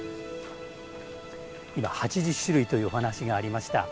今、８０種類というお話がありました。